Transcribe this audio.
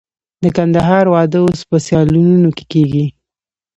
د کندهار واده اوس په سالونونو کې کېږي.